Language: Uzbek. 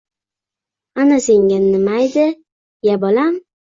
Ana senga nimaydi-ya bolam?»